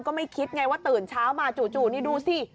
ก็ไม่คิดไงว่าตื่นเช้ามาจู่นี่ดูสิ